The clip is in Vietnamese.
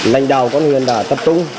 lãnh đạo quân huyện đã tập trung